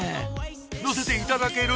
乗せていただける！